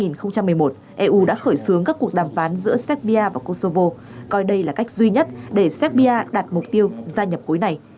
từ tháng ba năm hai nghìn một mươi một eu đã khởi xướng các cuộc đàm phán giữa serbia và kosovo coi đây là cách duy nhất để serbia đạt mục tiêu gia nhập cuối này